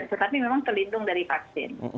tetapi memang terlindung dari vaksin